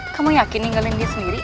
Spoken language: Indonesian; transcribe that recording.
kamu yakin ningelin dia sendiri